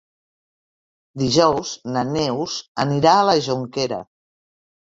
Dijous na Neus anirà a la Jonquera.